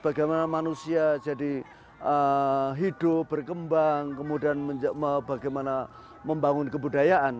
bagaimana manusia jadi hidup berkembang kemudian bagaimana membangun kebudayaan